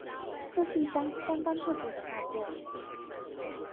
這是一張相當特別的畫作